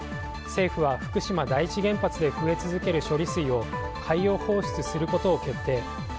政府は、福島第一原発で増え続ける処理水を海洋放出することを決定。